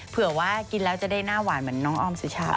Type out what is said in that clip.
เผื่อว่ากินแล้วจะได้หน้าหวานเหมือนน้องออมสุชา